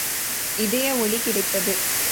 இதய ஒலி கிடைத்தது!